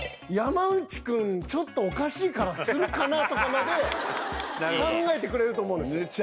山内くんちょっとおかしいからするかなとかまで考えてくれると思うんですよ